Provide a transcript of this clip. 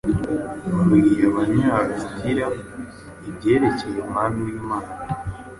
babwiye Abanyalusitira ibyerekeye Umwana w’Imana